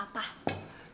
ya udah yuk